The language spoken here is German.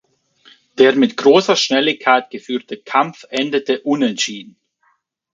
Der mit großer Schnelligkeit geführte Kampf endete unentschieden.